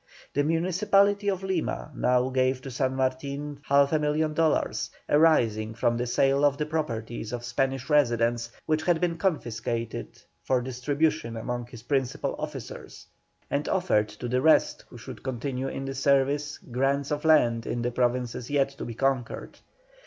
The municipality of Lima now gave to San Martin 500,000 dols., arising from the sale of the properties of Spanish residents which had been confiscated, for distribution among his principal officers, and offered to the rest who should continue in the service grants of land in the provinces yet to be conquered.